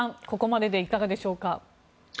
ここまででいかがでしょうか。